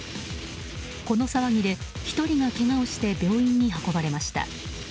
この騒ぎで１人がけがをして病院に運ばれました。